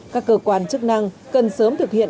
các cơ quan chức năng cần sớm thực hiện